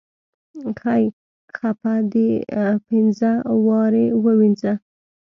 خۍ خپه دې پينزه وارې ووينزه.